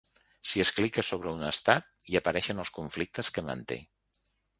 Si es clica sobre un estat, hi apareixen els conflictes que manté.